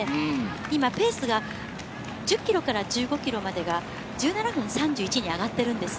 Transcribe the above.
今ペースが１０ｋｍから１５ｋｍまでが１７分３１秒に上がってるんです。